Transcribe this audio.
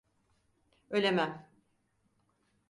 Ölemem.